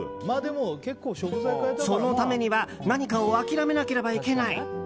そのためには何かを諦めなければいけない。